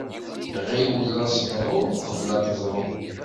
Ɣiwel aseḍru, qebl ad teḍru.